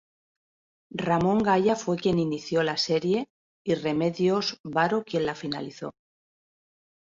Ramón Gaya fue quien inició la serie y Remedios Varo quien la finalizó.